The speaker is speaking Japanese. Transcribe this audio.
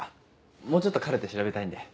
もうちょっとカルテ調べたいんで。